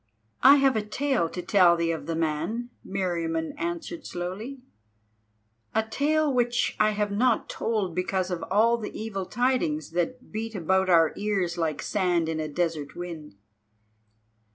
"I have a tale to tell thee of the man," Meriamun answered slowly, "a tale which I have not told because of all the evil tidings that beat about our ears like sand in a desert wind."